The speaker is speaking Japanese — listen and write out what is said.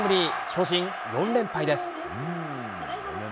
巨人、４連敗です。